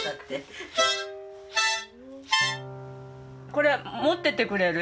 これ持っててくれる？